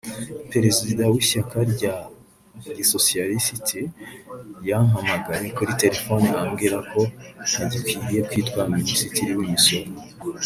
Perezida w’ishyaka rya gisosiyalisite yampamagaye kuri telefone ambwira ko ntagikwiriye kwitwa Minisitiri w’imisoro